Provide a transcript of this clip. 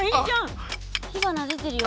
火花でてるよ。